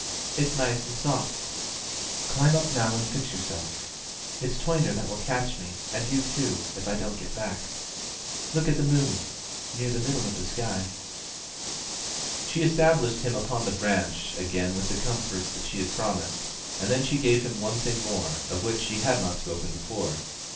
It's nice and soft climb up now and fix yourself. It's Toyner that will catch me, and you too, if I don't get back. Look at the moon near the middle of the sky." She established him upon the branch again with the comforts that she had promised, and then she gave him one thing more, of which she had not spoken before.